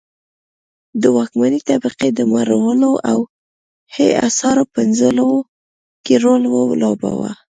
د واکمنې طبقې د مړولو او هي اثارو پنځولو کې رول ولوباوه.